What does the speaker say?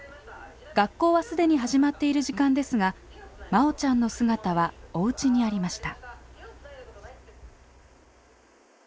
学校は既に始まっている時間ですがまおちゃんの姿はおうちにありました。